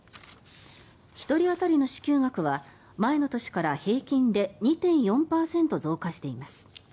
１人当たりの支給額は前の年から平均で２．４％増加しています。